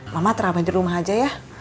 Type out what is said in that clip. mama terabai di rumah aja ya